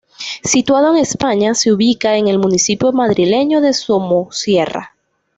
Situado en España, se ubica en el municipio madrileño de Somosierra.